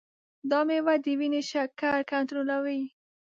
دا میوه د وینې شکر کنټرولوي.